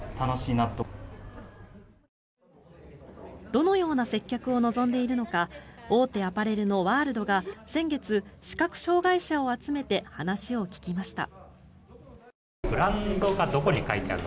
どのような接客を望んでいるのか大手アパレルのワールドが先月、視覚障害者を集めて話を聞きました。